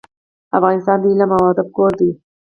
افغانستان د علم او ادب کور دی.